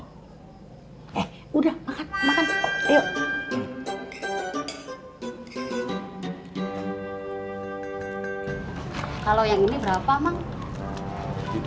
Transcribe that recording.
eh udah makan makan ayo